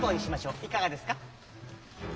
いかがですか？